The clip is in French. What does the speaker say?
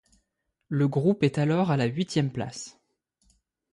Le groupe est alors à la huitième place.